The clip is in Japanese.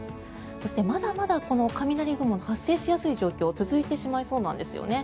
そしてまだまだこの雷雲の発生しやすい状況続いてしまいそうなんですよね。